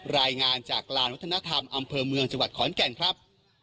รายงานจากลานวัฒนธรรมอำเภอเมืองจังหวัดขอนแก่นครับ